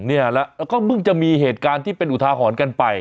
เนี่ยแล้วก็เพิ่งจะมีเหตุการณ์ที่เป็นอุทาหรณ์กันไป